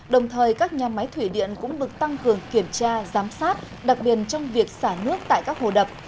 đồng thời các nhà máy thủy điện cũng được tăng cường kiểm tra giám sát đặc biệt trong việc xả nước tại các hồ đập